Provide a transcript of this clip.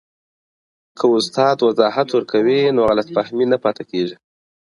که استاد وضاحت ورکوي نو غلط فهمي نه پاته کېږي.